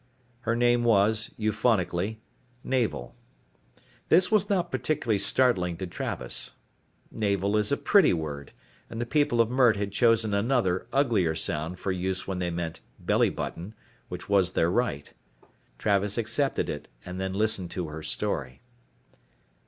Her name was, euphonically, Navel. This was not particularly startling to Travis. Navel is a pretty word and the people of Mert had chosen another, uglier sound for use when they meant 'belly button,' which was their right. Travis accepted it, and then listened to her story.